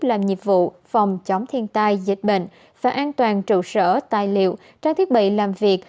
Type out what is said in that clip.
làm nhiệm vụ phòng chống thiên tai dịch bệnh và an toàn trụ sở tài liệu trang thiết bị làm việc